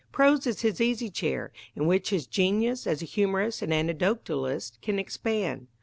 Prose is his easy chair, in which his genius as a humorist and anecdotalist can expand.